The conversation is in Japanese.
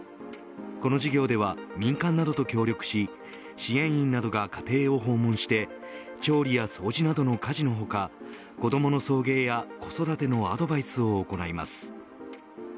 この事業では民間などと協力し支援員などが家庭を訪問して調理や掃除などの家事の他子どもの送迎や子育てのアドバイスを行います。